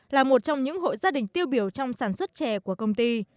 là một trong những hội gia đình tiêu biểu trong sản xuất trè của công ty